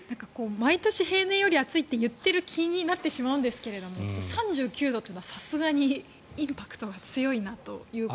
毎年平年より暑いって言っている気になってしまうんですが３９度というのは、さすがにインパクトが強いなということを。